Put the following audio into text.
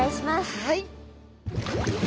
はい。